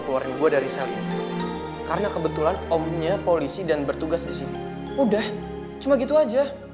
keluarin gue dari saling karena kebetulan omnya polisi dan bertugas disini udah cuma gitu aja